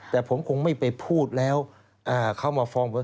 แต่ผมคงไม่ไปพูดแล้วเขามาฟ้องว่า